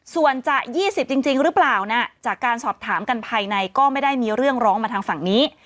ส่วนจะ๒๐จริงหรือเปล่านะจากการสอบถามกันภายในก็ไม่ได้มีเรื่องร้องมาทางฝั่งนี้